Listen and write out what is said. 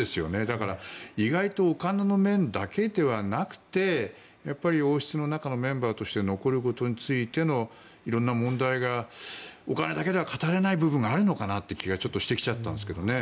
だから、意外とお金の面だけではなくてやっぱり王室の中のメンバーとして残ることについてのいろんな問題がお金だけでは語れない部分があるのかなという気がちょっとしてきちゃったんですけどね。